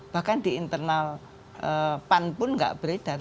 bahkan di internal pan pun nggak beredar